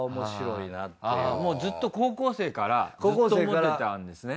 もうずっと高校生からずっと思ってたんですね？